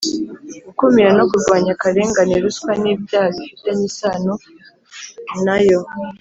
gukumira no kurwanya akarengane, ruswa n’ibyaha bifitanye isano na yo